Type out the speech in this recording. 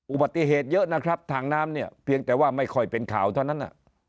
อุบัติเหตุเยอะนะครับทางน้ำเนี่ยเพียงแต่ว่าไม่ค่อยเป็นข่าวเท่านั้น